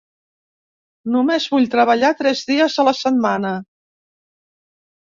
Només vull treballar tres dies a la setmana.